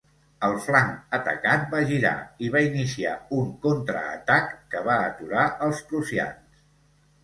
El flanc atacat va girar i va iniciar un contraatac que va aturar els prussians.